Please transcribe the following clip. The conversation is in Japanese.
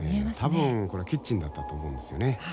多分これキッチンだったと思うんですよね。